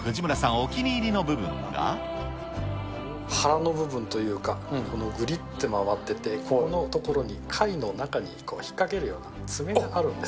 お気に入りの部分腹の部分というか、このぐりって回ってて、ここの所に貝の中に引っ掛けるような爪があるんです。